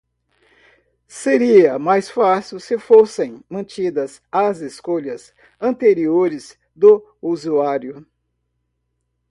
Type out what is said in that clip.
Seria mais fácil se fossem mantidas as escolhas anteriores do usuário.